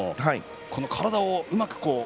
体をうまく。